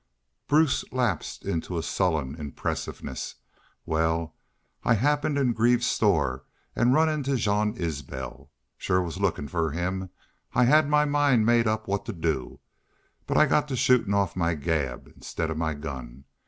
Bruce lapsed into a sullen impressiveness. "Wal, I happened in Greaves's store an' run into Jean Isbel. Shore was lookin' fer him. I had my mind made up what to do, but I got to shootin' off my gab instead of my gun.